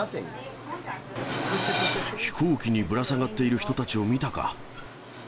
飛行機にぶら下がっている人たちを見たか？